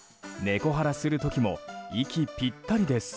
ネコハラする時も息ぴったりです。